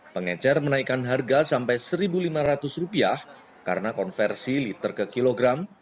pengecer menaikkan harga sampai rp satu lima ratus karena konversi liter ke kilogram